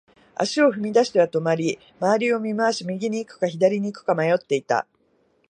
足を踏み出しては止まり、辺りを見回し、右に行くか、左に行くか迷っていた。